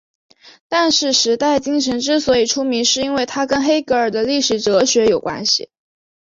但是时代精神之所以出名是因为它跟黑格尔的历史哲学有关系。